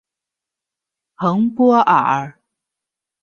蓬波尔。